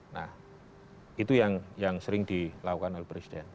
nah itu yang sering dilakukan oleh presiden